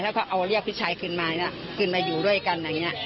แล้วเขาเอาเรียกกันพี่ชายคืนมาคืนมาอยู่ด้วยกัน